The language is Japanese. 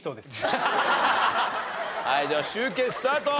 はいでは集計スタート。